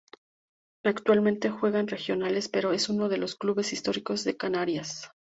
Actualmente juega en Regionales, pero es uno de los clubes históricos de Canarias.